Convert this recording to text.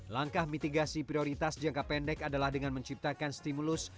langkah mitigasi prioritas jangka pendek adalah dengan menciptakan stimulus